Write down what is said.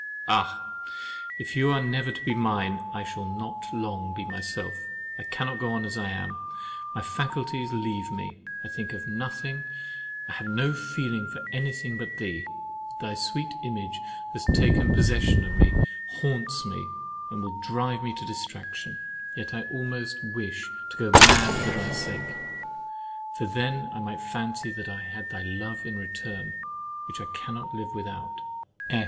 Ah! if you are never to be mine, I shall not long be myself. I cannot go on as I am. My faculties leave me: I think of nothing, I have no feeling about any thing but thee: thy sweet image has taken possession of me, haunts me, and will drive me to distraction. Yet I could almost wish to go mad for thy sake: for then I might fancy that I had thy love in return, which I cannot live without!